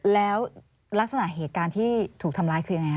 แล้วลักษณะเหตุการณ์ที่ถูกทำร้ายคือยังไงฮ